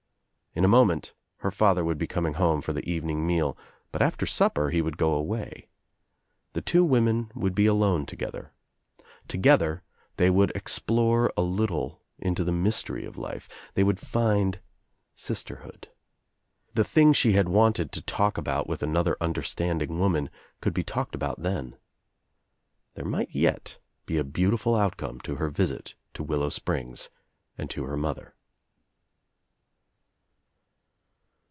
In a moment her father would be coming home for the evening meal but after supper he would go away. The two women would be alone together. Together they would explore a little into the mystery of life, they would find sisterhood. The thing she had wanted to talk about with another understanding woman could be talked about then. There might yet be a beautiful outcome to her visit to Willow Springs and to her mother.